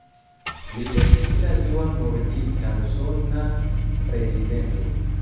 Li estis la dua murdita usona prezidento.